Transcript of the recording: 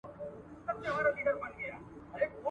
پرمختیایي ټولني ډېرو امکاناتو ته اړتیا لري.